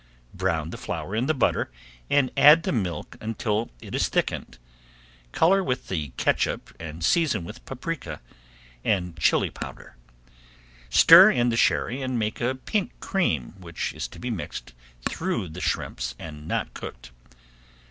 Brown the flour in the butter and add the milk until it is thickened. Color with the catsup and season with paprika and chili powder. Stir in the sherry and make a pink cream which is to be mixed through the shrimps and not cooked.